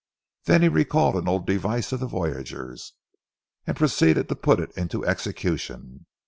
Then he recalled an old device of the Voyageurs, and proceeded to put it into execution.